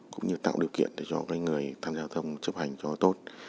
cũng như tạo điều kiện để cho người tham gia giao thông chấp hành cho tốt